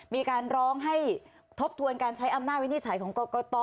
มีการร้องให้ทบทวนการใช้อำนาจวินิจฉัยของกรกต